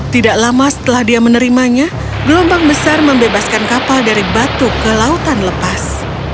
tidak lama setelah dia menerimanya gelombang besar membebaskan kapal dari batu ke lautan lepas